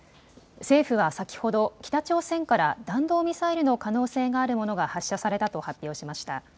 政府は先ほど北朝鮮から弾道ミサイルの可能性があるものが発射されたと発表しました。